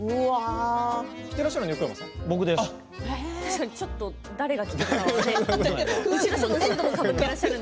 着ていらっしゃるのも横山さん？